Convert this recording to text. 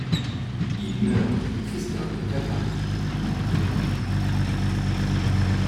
Il meurt d'une crise cardiaque à Paris, en pleine rue.